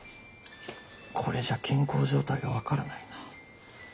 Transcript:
これじゃ健康状態が分からないな。